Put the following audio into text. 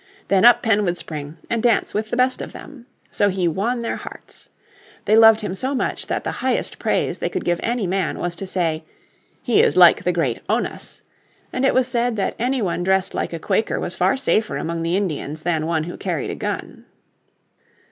Then up Penn would spring and dance with the best of them. So he won their hearts. They loved him so much that the highest praise they could give any man was to say "he is like the great Onas," and it was said that any one dressed like a Quaker was far safer among the Indians than one who carried a gun.